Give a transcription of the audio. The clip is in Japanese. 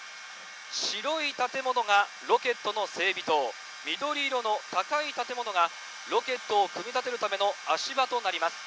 白い建物がロケットの整備棟、緑色の高い建物が、ロケットを組み立てるための足場となります。